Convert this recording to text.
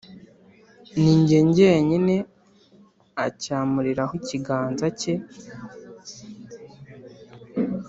Ni jye jyenyine acyamuriraho ikiganza cye,